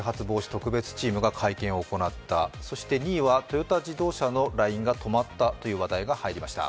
特別チームが会見を行った、そして２位はトヨタ自動車のラインが止まったという話題が入りました。